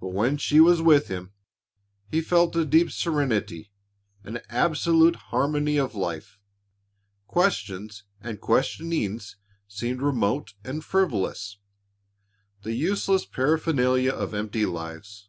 But when she was with him, he felt a deep serenity, an absolute harmony of life. Questions and questionings seemed remote and frivolous, the useless paraphernalia of empty lives.